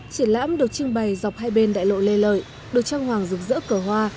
triển lãm được trưng bày dọc hai bên đại lộ lê lợi được trang hoàng rực rỡ cờ hoa